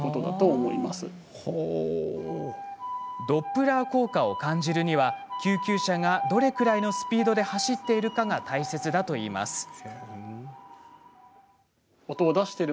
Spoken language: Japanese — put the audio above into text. ドップラー効果を感じるには救急車がどれくらいのスピードで走っているかが大切だといいます。